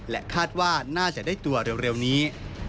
คาดว่าน่าจะได้ตัวเร็วนี้